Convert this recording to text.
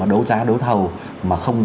đấu giá đấu thầu mà không